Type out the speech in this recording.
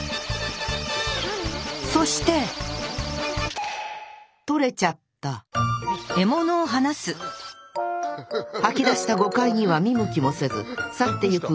そして取れちゃった吐き出したゴカイには見向きもせず去ってゆくウミヘビ。